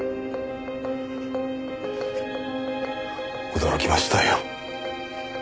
驚きましたよ。